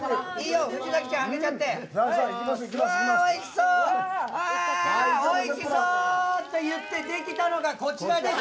おいしそう！ってできたのがこちらです。